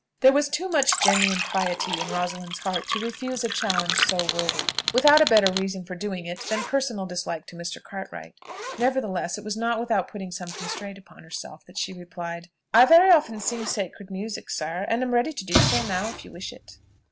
There was too much genuine piety in Rosalind's heart to refuse a challenge so worded, without a better reason for doing it than personal dislike to Mr. Cartwright; nevertheless, it was not without putting some constraint upon herself that she replied, "I very often sing sacred music, sir, and am ready to do so now, if you wish it."